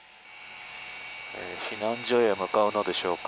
避難所へ向かうのでしょうか。